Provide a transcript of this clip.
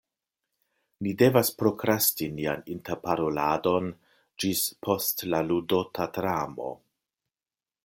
Ni devas prokrasti nian interparoladon ĝis post la ludota dramo.